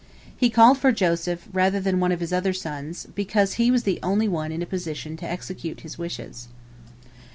He called for Joseph rather than one of his other sons, because he was the only one in a position to execute his wishes.